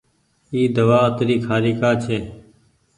اي دوآ اتري کآري ڪآ ڇي۔